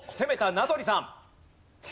名取さん！